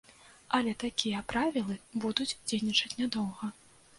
Але такія правілы будуць дзейнічаць нядоўга.